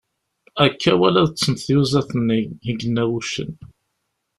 Akka wala ad ṭṭsent tyuzaḍ-nni, i yenna wuccen.